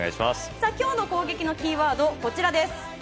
今日の攻撃のキーワードです。